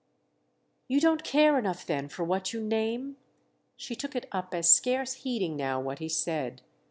"You don't care enough then for what you name?"—she took it up as scarce heeding now what he said.